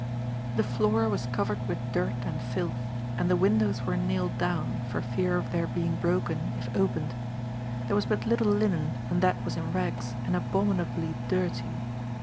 The floor was covered with dirt and filth, and the windows were nailed down, for fear of their being broken if opened. There was but little linen, and that was in rags, and abominably dirty.